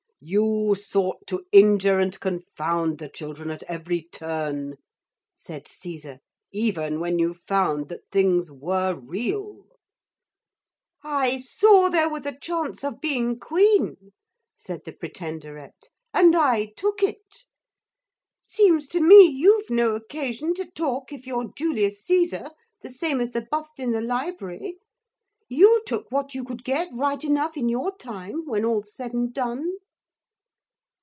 'You sought to injure and confound the children at every turn,' said Caesar, 'even when you found that things were real.' 'I saw there was a chance of being Queen,' said the Pretenderette, 'and I took it. Seems to me you've no occasion to talk if you're Julius Caesar, the same as the bust in the library. You took what you could get right enough in your time, when all's said and done.'